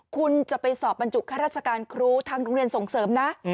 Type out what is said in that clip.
คุณจะไปสอบบรรจุข้าราชการครูทางโรงเรียนส่งเสริมนะ